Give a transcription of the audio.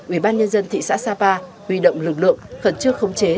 ủy ban nhân dân thị xã sapa huy động lực lượng khẩn trương khống chế